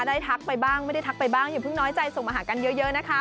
ทักไปบ้างไม่ได้ทักไปบ้างอย่าเพิ่งน้อยใจส่งมาหากันเยอะนะคะ